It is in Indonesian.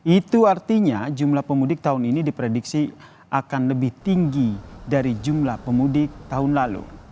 itu artinya jumlah pemudik tahun ini diprediksi akan lebih tinggi dari jumlah pemudik tahun lalu